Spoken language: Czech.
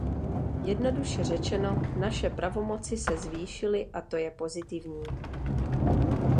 Jednoduše řečeno, naše pravomoci se zvýšily a to je pozitivní.